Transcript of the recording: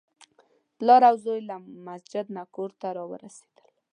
پلار او زوی له مسجد نه کور ته راورسېدل.